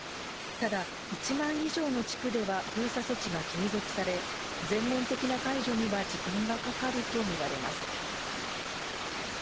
ただ、１万以上の地区では封鎖措置が継続され、全面的な解除には時間がかかると見られます。